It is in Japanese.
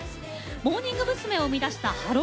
モーニング娘。を生み出したハロー！